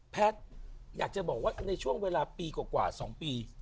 แพทย์อยากจะบอกว่าในช่วงเวลาปีกว่า๒ปี